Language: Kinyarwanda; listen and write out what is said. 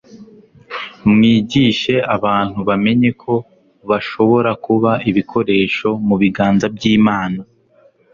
mwigishe abantu bamenye ko bashobora kuba ibikoresho mu biganza by'imana